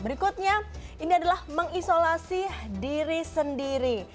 berikutnya ini adalah mengisolasi diri sendiri